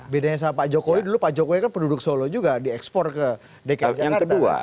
bedanya sama pak jokowi dulu pak jokowi kan penduduk solo juga diekspor ke dki yang kedua